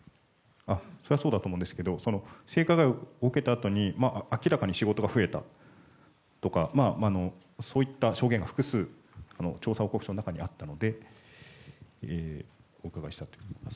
それはそうだと思うんですけど性加害を受けたあとに明らかに仕事が増えたとかそういった証言が複数調査報告書の中にあったのでお伺いしたということです。